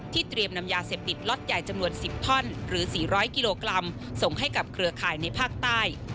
เตรียมนำยาเสพติดล็อตใหญ่จำนวน๑๐ท่อนหรือ๔๐๐กิโลกรัมส่งให้กับเครือข่ายในภาคใต้